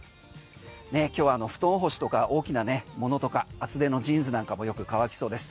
今日、布団干しとか大きなものとか厚手のジーンズなんかもよく乾きそうです。